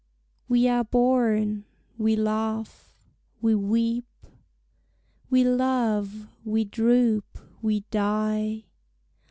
We are born; we laugh; we weep; We love; we droop; we die!